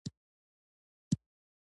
چین له روسیې سره سوداګري ډېره کړې.